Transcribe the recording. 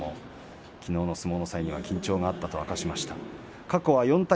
きのうの相撲は緊張があったと明かしました、過去４対４。